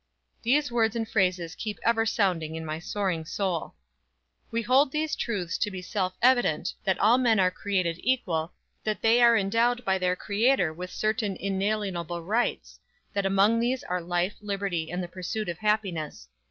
These words and phrases keep ever sounding in my soaring soul: "We hold these truths to be self evident; that all men are created equal; that they are endowed by their Creator with certain inalienable rights; that among these are life, liberty and the pursuit of happiness!"